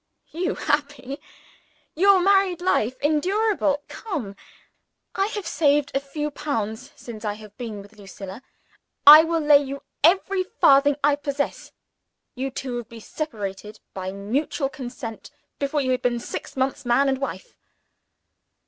You happy? Your married life endurable? Come! I have saved a few pounds, since I have been with Lucilla. I will lay you every farthing I possess, you two would be separated by mutual consent before you had been six months man and wife.